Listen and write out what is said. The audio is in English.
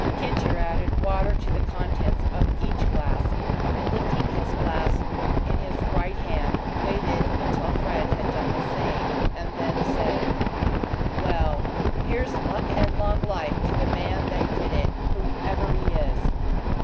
"Kincher" added water to the contents of each glass, and, lifting his glass in his right hand, waited until Fred had done the same and then said: "Well, here's luck and long life to the man that did it whoever he is."